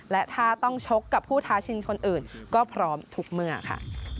และถ้าต้องชกกับผู้ท้าชิงคนอื่นก็พร้อมทุกเมื่อค่ะ